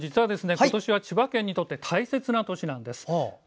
古谷さん、実は今年は千葉県にとって大切な年なんです。